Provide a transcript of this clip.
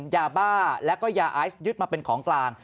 ยาบ้าแล้วก็ยาไอซ์ยึดมาเป็นของกลาง